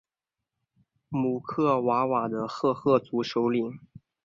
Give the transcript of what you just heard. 姆克瓦瓦的赫赫族首领。